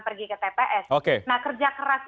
pergi ke tps nah kerja keras